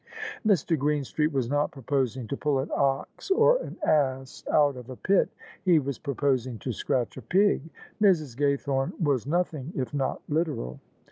" Mr. Greenstreet was not proposing to pull an ox or an ass out of a pit: he was proposing to scratch a pig." Mrs. Gaythome was nothing if not literal.